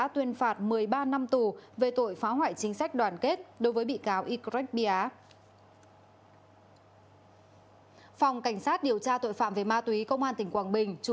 tiếp tục điều tra cơ quan cảnh sát điều tra công an tỉnh quảng bình